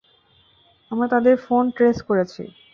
আমরা তাদের phone trace করেছি।